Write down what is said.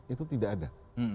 itu tidak ada